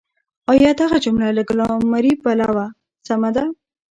آيا دغه جمله له ګرامري پلوه سمه ده؟